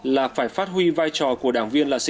là phải phát huy vai trò của đảng viên